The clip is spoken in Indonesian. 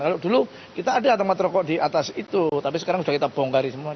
kalau dulu kita ada tempat rokok di atas itu tapi sekarang sudah kita bongkari semua